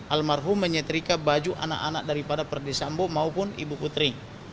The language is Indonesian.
almarhum menyetrika baju anak anak daripada perdisambo maupun ibu putri